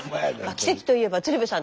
奇跡といえば鶴瓶さん。